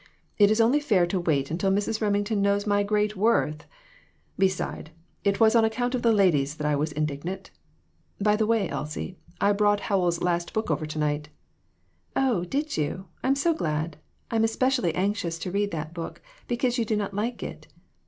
It is only fair to wait until Mrs. Remington knows my great worth ; beside, it was on account of the ladies that I was indignant. By the way, Elsie, I brought Howells' last book over to night." "Oh, did you? I'm so glad! I'm especially anxious to read that book because you do not like it.